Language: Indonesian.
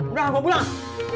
udah gua pulang